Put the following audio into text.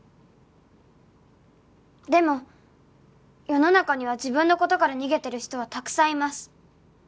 「でも世の中には自分の事から逃げてる人はたくさんいます」